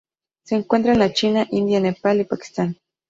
Se encuentra en la China, India, Nepal y Pakistán.